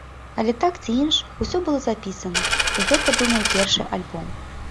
Але так ці інакш усё было запісана, і гэта быў мой першы альбом.